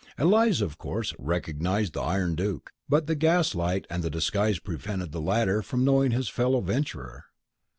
Eliza, of course, recognized the Iron Duke, but the gas light and the disguise prevented the latter from knowing his fellow venturer.